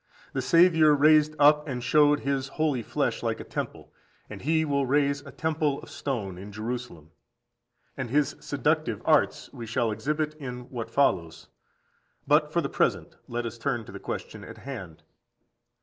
The Saviour raised up and showed His holy flesh like a temple,14201420 John ii. 19. and he will raise a temple of stone in Jerusalem. And his seductive arts we shall exhibit in what follows. But for the present let us turn to the question in hand.